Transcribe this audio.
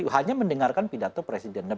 hanya mendengarkan pidato presiden